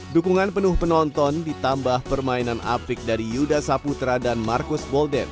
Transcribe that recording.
dukungan penuh penonton ditambah permainan apik dari yuda saputra dan marcus bolden